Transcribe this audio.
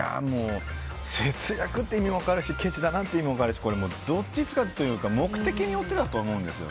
節約っていうのも分かるしけちだなっていうのも分かるしどっちつかずというか目的によってだと思うんですよ。